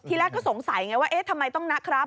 แรกก็สงสัยไงว่าเอ๊ะทำไมต้องนะครับ